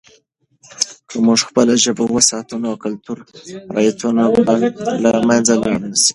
که موږ خپله ژبه وساتو، نو کلتوري روایتونه به له منځه لاړ نه سي.